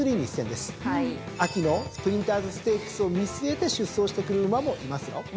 秋のスプリンターズステークスを見据えて出走してくる馬もいます。